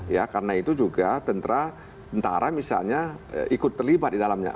ya karena itu juga tentara tentara misalnya ikut terlibat di dalamnya